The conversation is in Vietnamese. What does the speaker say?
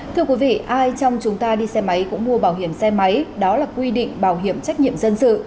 thưa quý vị ai trong chúng ta đi xe máy cũng mua bảo hiểm xe máy đó là quy định bảo hiểm trách nhiệm dân sự